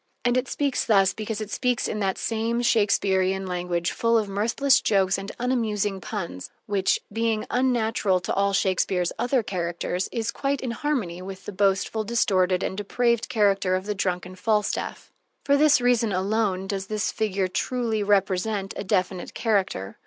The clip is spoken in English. And it speaks thus because it speaks in that same Shakespearian language, full of mirthless jokes and unamusing puns which, being unnatural to all Shakespeare's other characters, is quite in harmony with the boastful, distorted, and depraved character of the drunken Falstaff. For this reason alone does this figure truly represent a definite character.